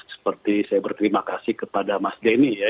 seperti saya berterima kasih kepada mas denny ya